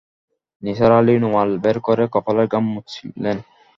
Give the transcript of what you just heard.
নিসার আলি রুমাল বের করে কপালের ঘাম মুছলেন।